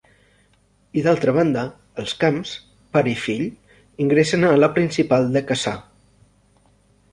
I d'altra banda, els Camps, pare i fill, ingressen a La Principal de Cassà.